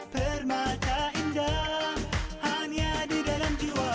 permata indah hanya di dalam jiwa